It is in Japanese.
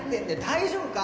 大丈夫か？